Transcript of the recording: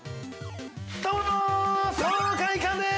◆どうも、爽快感です！